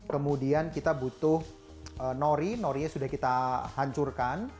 kemudian kita butuh nori norinya sudah kita hancurkan